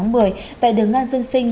ngày tám một mươi tại đường ngan dân sinh